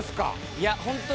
いや本当